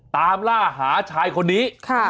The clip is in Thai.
ตามล่าหาชายคนนี้